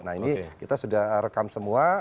nah ini kita sudah rekam semua